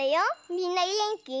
みんなげんき？